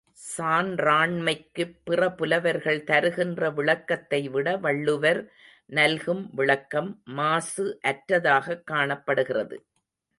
சான்றாண்மைக்குப் பிற புலவர்கள் தருகின்ற விளக்கத்தைவிட வள்ளுவர் நல்கும் விளக்கம் மாசு அற்றதாகக் காணப்படுகிறது.